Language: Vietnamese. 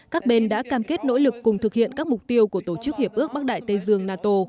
các bên đã cam kết nỗ lực cùng thực hiện các mục tiêu của tổ chức hiệp ước bắc đại tây dương nato